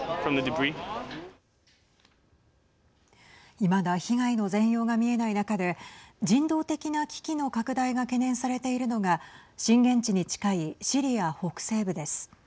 いまだ被害の全容が見えない中で人道的な危機の拡大が懸念されているのが震源地に近いシリア北西部です。